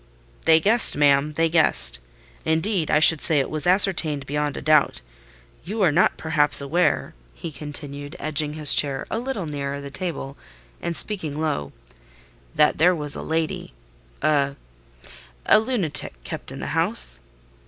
"They guessed, ma'am: they guessed. Indeed, I should say it was ascertained beyond a doubt. You are not perhaps aware," he continued, edging his chair a little nearer the table, and speaking low, "that there was a lady—a—a lunatic, kept in the house?"